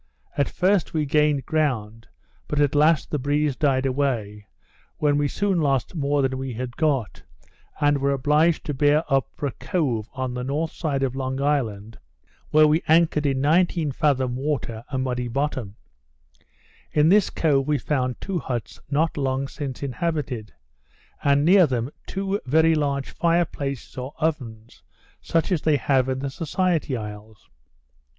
At first we gained ground, but at last the breeze died away; when we soon lost more than we had got, and were obliged to bear up for a cove on the north side of Long Island, where we anchored in nineteen fathom water, a muddy bottom: In this cove we found two huts not long since inhabited; and near them two very large fire places or ovens, such as they have in the Society Isles.